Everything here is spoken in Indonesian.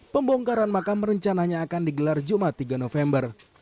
pembongkaran makam rencananya akan digelar jumat tiga november